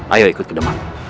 ayo ikut ke demam